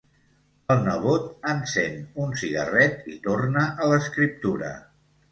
El nebot encén un cigarret i torna a l'escriptura.